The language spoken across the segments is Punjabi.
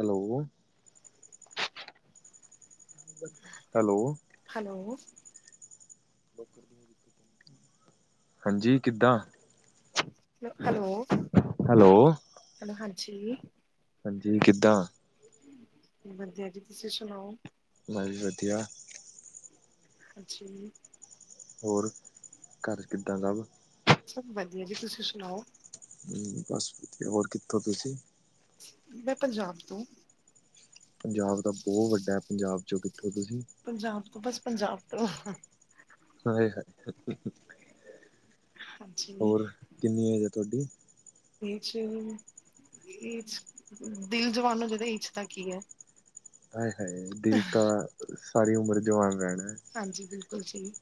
ਹੈਲੋ ਹੈਲੋ, ਹੈਲੋ, ਹਾਂਜੀ, ਕਿੱਦਾਂ? ਹੈਲੋ ਹੈਲੋ ਹੈਲੋ ਹਾਂਜੀ ਕਿਦਾ, ਵਧੀਆ ਜੀ, ਤੁਸੀਂ ਸੁਣਾਓ? ਮੈਂ ਵੀ ਵਧੀਆ, ਅੱਛਾ ਜੀ, ਹੋਰ, ਘਰ ਕਿੱਦਾਂ ਸਭ? ਸਭ ਵਧੀਆ ਜੀ, ਤੁਸੀਂ ਸੁਣਾਓ? ਹੂੰ, ਬਸ ਵਧੀਆ, ਹੋਰ ਕਿੱਥੋਂ ਤੁਸੀਂ? ਮੈਂ ਪੰਜਾਬ ਤੋਂ, ਪੰਜਾਬ ਦਾ ਬਹੁਤ ਵੱਡਾ ਪੰਜਾਬ ਚ ਕਿ ਪੰਜਾਬ ਤੋਂ ਬਸ ਪੰਜਾਬ ਤੋਂ, ਹ ਹਾਂਜੀ, ਤੁਹਾਡੀ, ਏਜ ਇਹ ਦਿਲ ਜਵਾਨ ਹੋਣਾ ਚਾਹੀਦਾ ਏਜ ਦਾ ਕੀ ਐ। ਹਾਏ-ਹਾਏ ਦਿਲ ਤਾਂ ਸਾਰੀ ਉਮਰ ਜਵਾਨ ਰਹਿਣ, ਹਾਂਜੀ ਬਿਲਕੁਲ ਜੀ,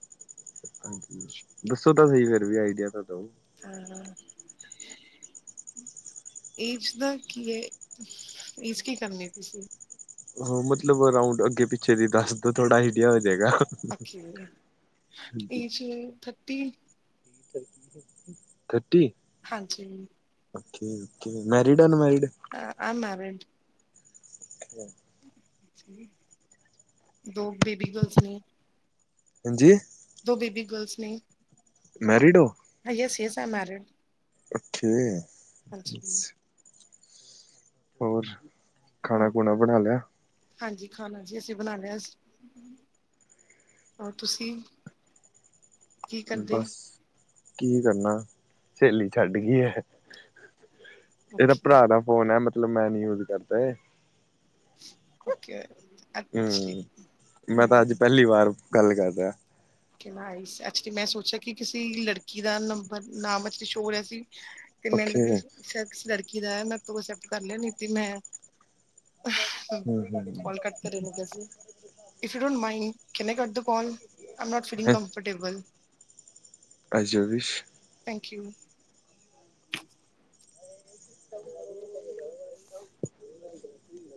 ਹਾਂਜੀ ਦੱਸੋ, ਤਾਂ ਸਹੀ ਫੇਰ ਵੀ ਆਈਡੀਆ ਤਾਂ। ਦੋ। ਹੂੰ, [inaudible] ਏਜ ਦਾ ਕੀ ਹੈ, ਏਜ ਕੀ ਕਰਨੀ ਤੁਸੀ ਮਤਲਬ ਰਾਊਂਡ ਅੱਗੇ ਪਿੱਛੇ ਦੀ ਦੱਸ ਦੋ ਥੋੜਾ ਆਈਡੀਆ ਹੋ ਜਾਏਗਾ। ਓ ਏਜ ਥਰਟੀ, ਥਰਟੀ, ਹਾਂਜੀ, ਓ ਮੈਰਿਡ ਅਨਮੈਰਿਡ? ਐਮ ਮੈਰਿਡ, ਦੋ ਬੇਬੀ ਗਰਲਸ ਨੇ। ਹਾਂਜੀ। ਦੋ ਬੇਬੀ ਗਰਲਸ ਨੇ। ਮੈਰੀਡ ਹੋ? ਹ ਯੇਸ-ਯੇਸ ਐਮ ਮੈਰਿਡ। ਔਖੇ। ਹਾਂਜੀ। ਹੋਰ? ਹੋਰ ਖਾਣਾ ਖੂਣਾ ਬਣਾ ਲੇਆ? ਹਾਂਜੀ, ਖਾਣਾ ਜੀ, ਅਸੀਂ ਬਣਾ ਲਿਆ ਸੀ। ਹੋਰ ਤੁਸੀਂ, ਕੀ ਕਰਦੇ? ਬਸ ਕੀ ਕਰਨਾ? ਸੇਲੀ ਛੱਡ ਗਈ ਏ। ਏਦਾ ਓਕੇ ਭਰਾ ਦਾ ਫੋਨ ਏ ਮਤਲਬ ਮੈਂ ਨੀ ਯੂਜ ਕਰਦਾ ਏਹ। ਓਕੇ। ਅੱਛਾ ਹੂੰ, ਮੈਂ ਤਾਂ ਅੱਜ ਪਹਿਲੀ ਵਾਰ ਗੱਲ ਕਰਦਾ। ਓਕੇ ਨਾਇਸ, ਅੱਛਾ ਜੀ, ਮੈਂ ਸੋਚਿਆ ਕਿ ਕਿਸੀ ਲੜਕੀ ਦਾ ਨੰਬਰ, ਨਾਮ ਐਕਚਲੀ ਸ਼ੋ ਹੋ ਰਿਹਾ ਸੀ। ਤੇ ਮੈਨੂੰ ਓਕੇ ਲਗਾ, ਸ਼ ਸ਼ੇਦ ਕਿਸੀ ਲੜਕੀ ਦਾ ਏ, ਮੈਂ ਤੋ ਏਸੇਪਟ ਕਰ ਲਿਆ, ਨੀ ਤੇ ਮੈਂ ਹਮ ਹਮ ਕੋਲ ਕਟ ਤੇ ਰਹੇ ਨੂੰ ਕਿਆ ਸੀ। If you don't mind, can I cut the call? Am not feeling comfortable. As your wish. Thank you. [unintelligible]